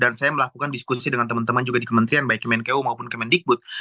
dan saya melakukan diskusi dengan teman teman juga di kementerian baik kemenkeu maupun kemendikbud